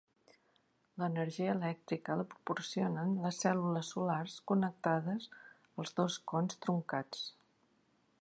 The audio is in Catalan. L'energia elèctrica la proporcionen les cèl·lules solars connectades als dos cons truncats.